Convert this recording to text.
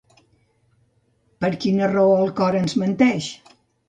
Per quina raó el cor ens menteix?